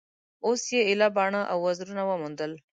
اوس یې ایله باڼه او وزرونه وموندل